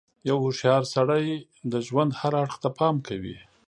• یو هوښیار سړی د ژوند هر اړخ ته پام کوي.